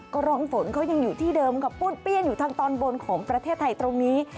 ก็รองฝนเขายังอยู่ที่เดิมค่ะป้วนเปี้ยนอยู่ทางตอนบนของประเทศไทยตรงนี้